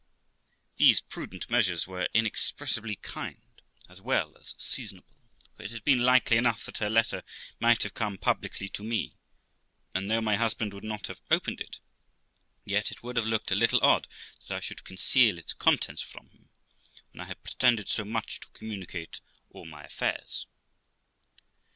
These prudent measures were inexpressibly kind, as well as seasonable; for it had been likely enough that her letter might have come publicly to me, and, though my husband would not have opened it, yet it would have looked a little odd that I should conceal its contents from him, when I had pretended so much to communicate all my affairs.